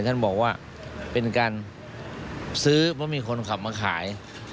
ท่านบอกว่าเป็นการซื้อเพราะมีคนขับมาขาย